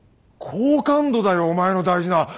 好感度だよお前の大事な。